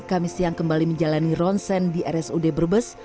kami siang kembali menjalani ronsen di rsud brebes